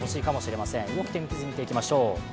動く天気図、見ていきましょう。